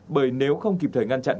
bởi nếu không kịp thời ngăn chặn